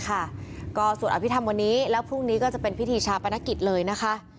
ก็สวดอภิษฐรรมวันนี้แล้วพรุ่งนี้ก็จะเป็นพิธีชาปนกิจเลยนะคะ